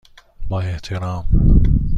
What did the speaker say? با احترام،